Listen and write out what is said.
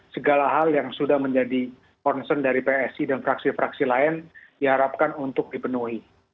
segala hal yang sudah menjadi concern dari psi dan fraksi fraksi lain diharapkan untuk dipenuhi